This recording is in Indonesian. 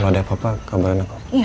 kalau ada apa apa kabar anak om